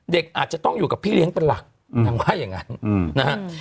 เด็กอาจจะต้องอยู่กับพี่เลี้ยงเป็นหลักนางว่าอย่างนั้นนะฮะ